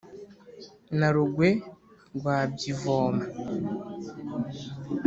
na rugwe rwa bajyivoma.